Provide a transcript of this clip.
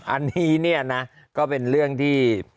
อันนี้เนี่ยนะก็เป็นเรื่องที่